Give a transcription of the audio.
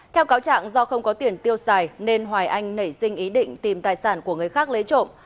theo cáo trạng do không có tiền tiêu xài nên hoài anh nảy sinh ý định tìm tài sản của người khác lấy trộm